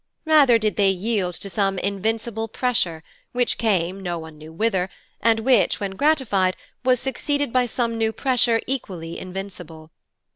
Rather did they yield to some invincible pressure, which came no one knew whither, and which, when gratified, was succeeded by some new pressure equally invincible.